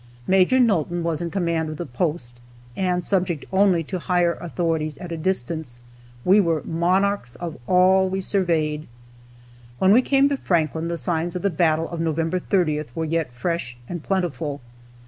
Maj. Nulton was in command of the post, and, subject only to higher authorities at a distance, we were "monarchs of all we surveyed." When we came to Franklin the signs of the battle of November 30th were yet fresh and plentiful.